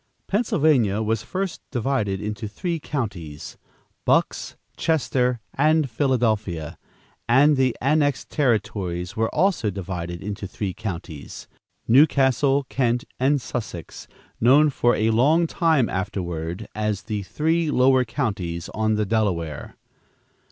Pennsylvania was first divided into three counties Bucks, Chester and Philadelphia, and the annexed territories were also divided into three counties New Castle, Kent and Sussex known for a long time afterward as the "Three Lower Counties on the Delaware."